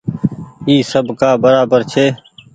اي سب ڪآ برابر ڇي۔